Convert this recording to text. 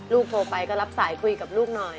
โทรไปก็รับสายคุยกับลูกหน่อย